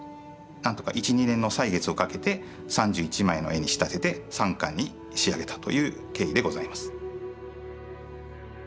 何とか１２年の歳月をかけて３１枚の絵に仕立てて３巻に仕上げたという経緯でございます。